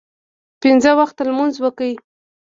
پنځه وخته لمونځ وکړئ